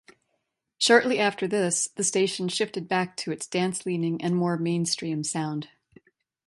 Shortly after this, the station shifted back to its Dance-leaning and more Mainstream sound.